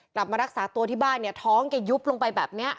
กลับมารักษาที่บ้านท้องยุบลงแบบนี้